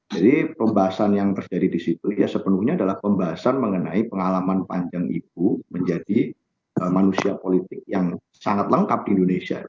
jadi pembahasan yang terjadi di situ ya sepenuhnya adalah pembahasan mengenai pengalaman panjang ibu menjadi manusia politik yang sangat lengkap di indonesia